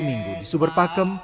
kalau di sumber pakem